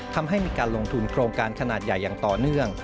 ทำให้มีการลงทุนโครงการขนาดใหญ่อย่างต่อเนื่อง